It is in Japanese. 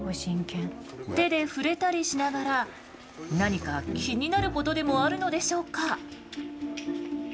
手で触れたりしながら何か気になることでもあるのでしょうか。